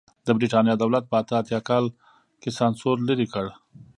د برېټانیا دولت په اته اتیا کال کې سانسور لرې کړ.